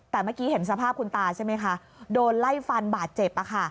แต่เมื่อกี้เห็นสภาพคุณตาใช่ไหมคะโดนไล่ฟันบาดเจ็บ